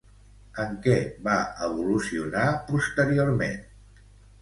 En què va evolucionar posteriorment?